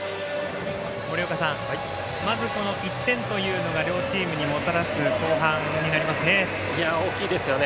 森岡さん、まず１点というのが両チームにもたらす後半になりますね。